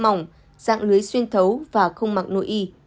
mỏng dạng lưới xuyên thấu và không mặc nội y